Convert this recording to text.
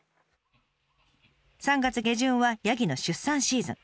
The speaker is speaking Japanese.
３月下旬はヤギの出産シーズン。